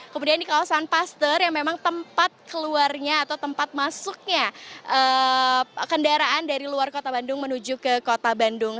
kemudian di kawasan paster yang memang tempat keluarnya atau tempat masuknya kendaraan dari luar kota bandung menuju ke kota bandung